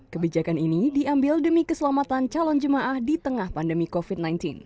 kebijakan ini diambil demi keselamatan calon jemaah di tengah pandemi covid sembilan belas